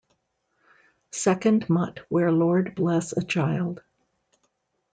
Second mutt where lord bless a child.